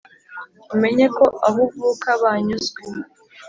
Umenye ko aho uvuka banyuzwe